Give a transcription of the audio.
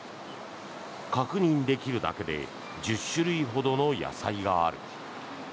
確認できるだけで１０種類ほどの野菜がある。